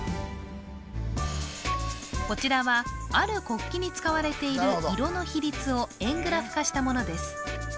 こちらはある国旗に使われている色の比率を円グラフ化したものです